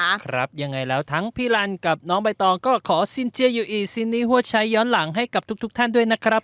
ใช่แหละครับยังไงแล้วทั้งพี่ลันกับน้องบัตรองก็ขอสินเจยุห์อีสินนี้ฮัวชัยย้อนหลังให้กับทุกท่านด้วยนะครับ